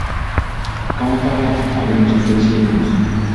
Kampala ali mu kifo ekirungi .